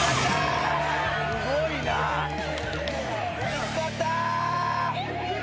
見つかった！